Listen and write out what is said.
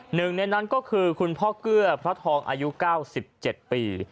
หนึ่งในนั้นก็คือคุณพ่อเกื้อพระทองอายุ๙๗ปี